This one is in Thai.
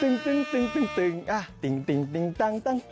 อีคนเต้นอังกฤษ